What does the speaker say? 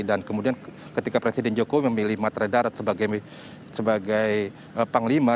dan kemudian ketika presiden joko memilih matra darat sebagai panglima